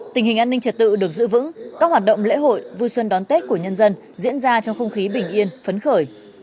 tình hình an ninh trật tự được giữ vững các hoạt động lễ hội vui xuân đón tết của nhân dân diễn ra trong không khí bình yên phấn khởi